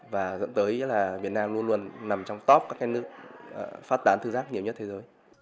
và dẫn tới là việt nam luôn luôn nằm trong top các nước phát tán thư giác nhiều nhất thế giới